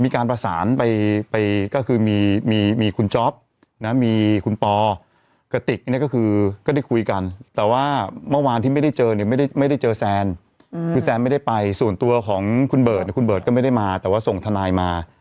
กระติกเนี่ยก็คือก็ได้คุยกันแต่ว่าเมื่อวานที่ไม่ได้เจอเนี่ยไม่ได้ไม่ได้เจอแซนอืมคือแซนไม่ได้ไปส่วนตัวของคุณเบิร์ดคุณเบิร์ดก็ไม่ได้มาแต่ว่าส่งทนายมา